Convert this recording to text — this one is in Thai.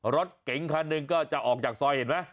รถเก๋งคันหนึ่งก็จะออกจากซอยเห็นไหม